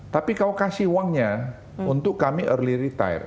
tapi kau kasih uangnya untuk kami early retire